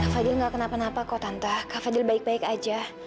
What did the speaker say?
kak fadil nggak kenapa apa kok tante kak fadil baik baik aja